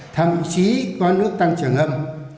thậm chí có nước tăng trưởng âm